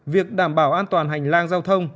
việc đảm bảo an toàn hành lang giao thông